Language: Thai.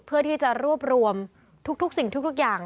เพื่อที่จะรวบรวมทุกสิ่งทุกอย่าง